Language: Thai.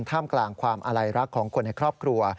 ท่ามกลางความอาลัยรักของคนในครอบครัว